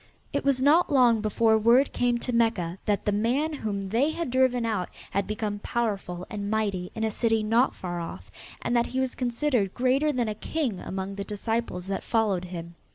It was not long before word came to Mecca that the man whom they had driven out had become powerful and mighty in a city not far off and that he was considered greater than a king among the disciples that followed him.